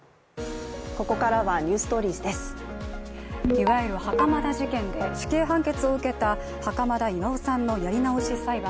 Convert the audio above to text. いわゆる袴田事件で死刑判決を受けた袴田巌さんのやり直し裁判。